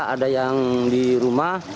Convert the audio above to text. ada yang di rumah